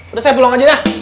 udah saya pulang aja dah